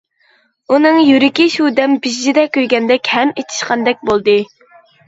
ئۇنىڭ يۈرىكى شۇ دەم پىژژىدە كۆيگەندەك ھەم ئېچىشقاندەك بولدى.